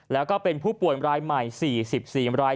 แล้วก็เป็นผู้ป่วยรายใหม่๔๔ราย